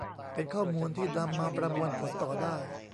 เป็นข้อมูลที่นำมาประมวลผลต่อได้